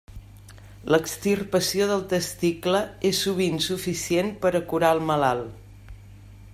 L'extirpació del testicle és sovint suficient per a curar al malalt.